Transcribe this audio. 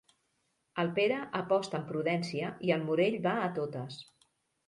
El Pere aposta amb prudència i el Morell va a totes.